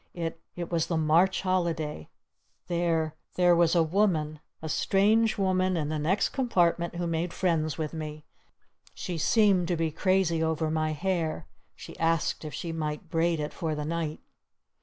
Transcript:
"It It was the March holiday. There There was a woman a strange woman in the next compartment who made friends with me. She seemed to be crazy over my hair. She asked if she might braid it for the night."